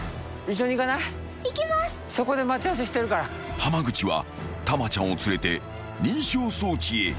［濱口はたまちゃんを連れて認証装置へ］